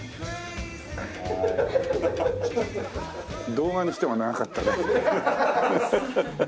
動画にしては長かったね。